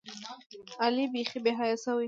علي بیخي بېحیا شوی.